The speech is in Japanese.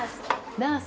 ナース？